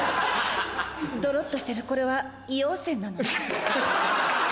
ドロっとしてるこれは硫黄泉なの？